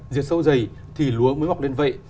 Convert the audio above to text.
diệt sâu dày thì lúa mới mọc lên vậy